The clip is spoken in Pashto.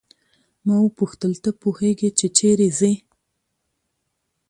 ما وپوښتل ته پوهیږې چې چیرې ځې.